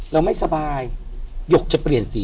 เราไม่สบายหยกจะเปลี่ยนสี